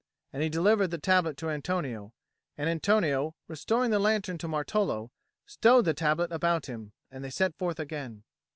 And he delivered the tablet to Antonio; and Antonio, restoring the lantern to Martolo, stowed the tablet about him, and they set forth again.